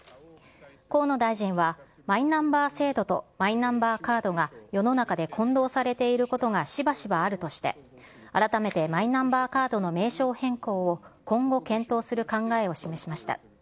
河野大臣は、マイナンバー制度とマイナンバーカードが、世の中で混同されていることがしばしばあるとして、改めてマイナンバーカードの名称変更を今後検討する考えを示しました。